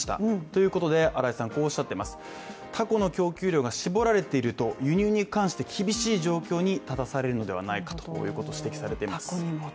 ということで、タコの供給量が絞られていると輸入に関して厳しい状況に立たされるのではないかと指摘されています。